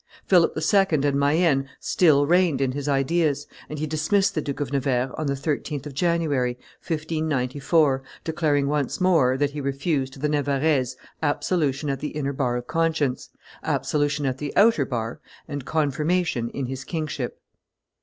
Philip II. and Mayenne still reigned in his ideas, and he dismissed the Duke of Nevers on the 13th of January, 1594, declaring once more that he refused to the Navarrese absolution at the inner bar of conscience, absolution at the outer bar, and confirmation in his kingship.